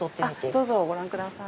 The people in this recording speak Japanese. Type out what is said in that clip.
どうぞご覧ください。